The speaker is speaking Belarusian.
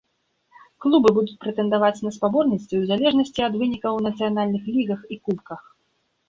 Клубы будуць прэтэндаваць на спаборніцтвы ў залежнасці ад вынікаў у нацыянальных лігах і кубках.